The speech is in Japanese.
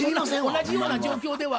同じような状況では？